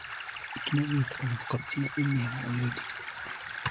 生きのいい魚がこっちの海へも泳いできて、